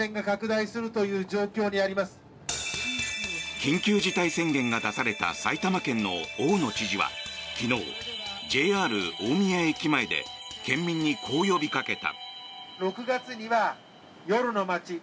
緊急事態宣言が出された埼玉県の大野知事は昨日、ＪＲ大宮駅前で県民にこう呼びかけた。